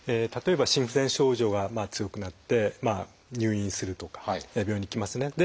例えば心不全症状が強くなって入院するとか病院に行きますね。